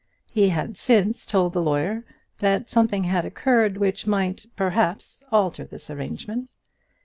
He had since told the lawyer that something had occurred which might, perhaps, alter this arrangement.